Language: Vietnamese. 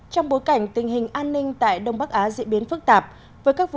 trong bối cảnh tình hình an ninh tại đông bắc á diễn biến phức tạp với các vụ